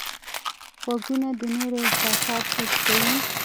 غوږونه د نورو احساسات درک کوي